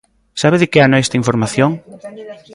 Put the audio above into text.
¿Sabe de que ano é esta información?